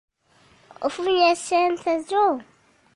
Ofunye ssente zo?